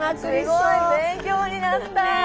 すごい勉強になった。